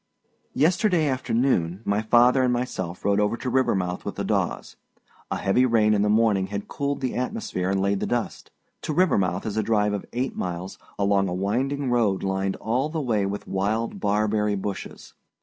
Yesterday afternoon my father and myself rode over to Rivermouth with the Daws. A heavy rain in the morning had cooled the atmosphere and laid the dust. To Rivermouth is a drive of eight miles, along a winding road lined all the way with wild barberry bushes.